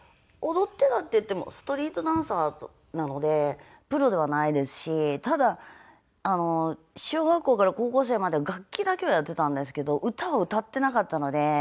踊ってたっていってもストリートダンサーなのでプロではないですしただ小学校から高校生までは楽器だけはやってたんですけど歌は歌ってなかったので。